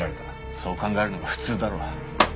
そう考えるのが普通だろう。